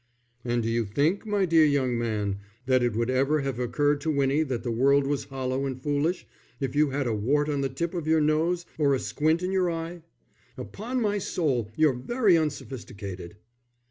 "And do you think, my dear young man, that it would ever have occurred to Winnie that the world was hollow and foolish, if you had a wart on the tip of your nose, or a squint in your eye? Upon my soul, you're very unsophisticated."